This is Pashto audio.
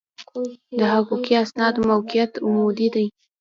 د حقوقي اسنادو موقعیت عمودي دی.